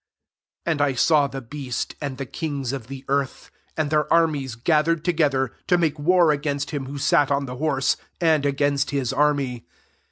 19 And I saw the beast, and the kings of the earth, and their armies gathered together, to make war against him who sat on the horse, and agahist his army.